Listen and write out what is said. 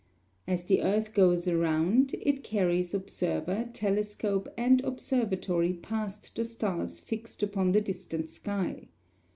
As the earth goes around, it carries observer, telescope, and observatory past the stars fixed upon the distant sky.